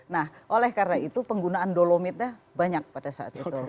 nah oleh karena itu penggunaan dolomitnya banyak pada saat itu